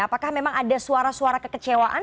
apakah memang ada suara suara kekecewaan